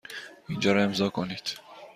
اینجا را امضا کنید.